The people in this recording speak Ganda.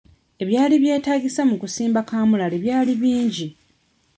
Ebyali byetaagisa mu kusimba kaamulali byali bingi.